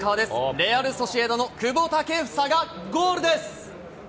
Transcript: レアル・ソシエダの久保建英がゴールです。